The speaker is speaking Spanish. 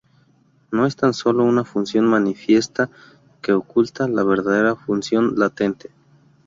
No es tan solo una función manifiesta que oculta la verdadera función latente.